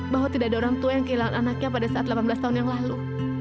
bahwa tidak ada orang tua yang kehilangan anaknya pada saat delapan belas tahun yang lalu